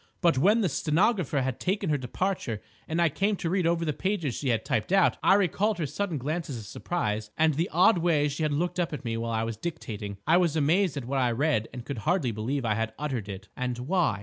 But when the stenographer had taken her departure and I came to read over the pages she had typed out, I recalled her sudden glances of surprise and the odd way she had looked up at me while I was dictating. I was amazed at what I read and could hardly believe I had uttered it." "And why?"